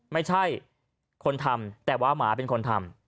ไม่ใช่คนทำแต่ว่าหมาเป็นคนทำ